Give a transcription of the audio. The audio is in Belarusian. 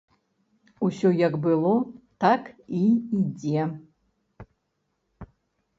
Усё як было, так і ідзе.